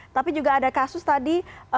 tapi juga ada kasus tadi